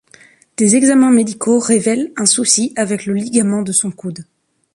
Des examens médicaux révèlent un souci avec le ligament de son coude.